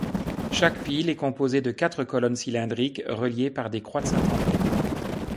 Chaque pile est composée de quatre colonnes cylindriques, reliées par des croix de Saint-André.